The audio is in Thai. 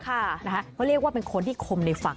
เขาเรียกว่าเป็นคนที่คมในฝัก